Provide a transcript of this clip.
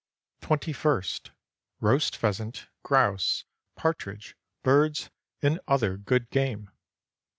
Twenty first Roast pheasant, grouse, partridge, birds, and other good game.